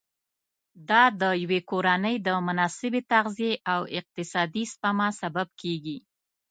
دا د یوې کورنۍ د مناسبې تغذیې او اقتصادي سپما سبب کېږي.